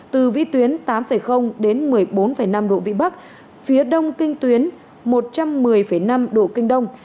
từ vĩ tuyến tám đến một mươi bốn năm độ vĩ bắc phía đông kinh tuyến một trăm một mươi năm độ kinh đông